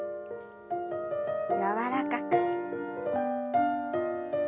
柔らかく。